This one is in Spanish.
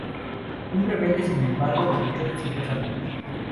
Un rebelde, sin embargo, luchó exitosamente.